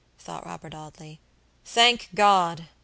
thought Robert Audley; "thank God!